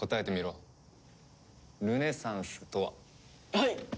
はい！